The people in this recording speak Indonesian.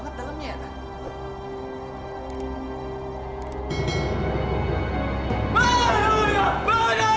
scending banget dalemnya